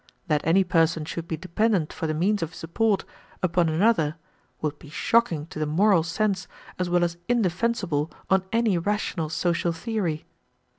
That any person should be dependent for the means of support upon another would be shocking to the moral sense as well as indefensible on any rational social theory.